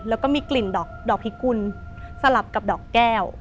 แล้วก็มีกลิ่นดอกพิกุลสลับกับดอกแก้ว